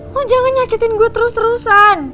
ku jangan nyakitin gue terus terusan